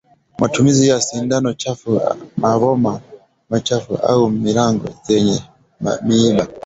Matumizi ya sindano chafu maboma machafu au milango zenye miiba